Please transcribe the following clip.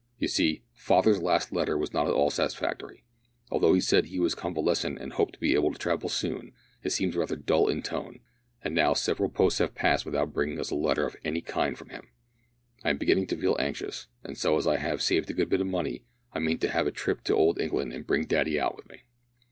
You see, father's last letter was not at all satisfactory. Although he said he was convalescent and hoped to be able to travel soon, it seemed rather dull in tone, and now several posts have passed without bringing us a letter of any kind from him. I am beginning to feel anxious, and so as I have saved a good bit of money I mean to have a trip to old England and bring Daddy out with me."